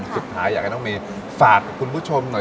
สุดท้ายอยากให้น้องเมย์ฝากคุณผู้ชมหน่อย